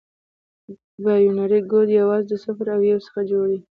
بایونري کوډ یوازې د صفر او یو څخه جوړ دی.